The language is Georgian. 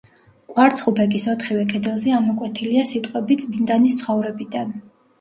კვარცხლბეკის ოთხივე კედელზე ამოკვეთილია სიტყვები წმინდანის ცხოვრებიდან.